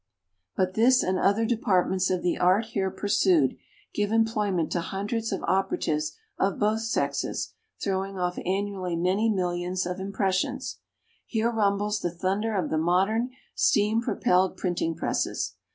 [Illustration: PRESS ROOM.] But this and other departments of the art here pursued, give employment to hundreds of operatives of both sexes, throwing off annually many millions of impressions. Here rumbles the thunder of the modern steam propelled printing presses.